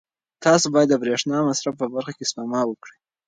تاسو باید د برېښنا د مصرف په برخه کې سپما وکړئ.